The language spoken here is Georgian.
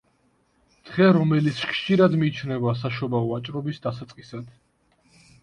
დღე, რომელიც ხშირად მიიჩნევა საშობაო ვაჭრობის დასაწყისად.